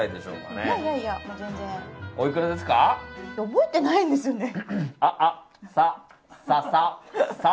覚えてないんですよね。